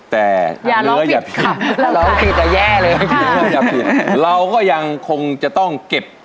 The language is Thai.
แต่อย่าร้องผิดร้องผิดจะแย่เลยเราก็ยังคงจะต้องเก็บ